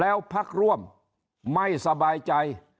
แล้วพักร่วมไม่สบายใจ